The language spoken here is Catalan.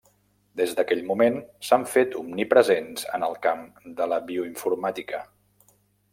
Des d'aquell moment, s'han fet omnipresents en el camp de la bioinformàtica.